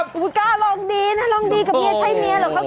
กล้าลองดีกับเมียใช้เมียหรอกคะคุณ